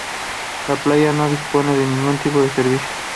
La playa no dispone de ningún tipo de servicio.